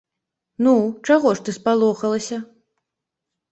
Ну, чаго ж ты спалохалася?